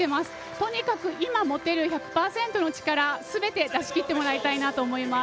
とにかく今持てる１００％の力すべて出しきってもらいたいなと思います。